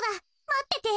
まってて。